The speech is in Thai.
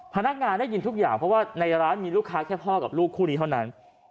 พนักงานได้ยินทุกอย่างเพราะว่าในร้านมีลูกค้าแค่พ่อกับลูกคู่นี้เท่านั้น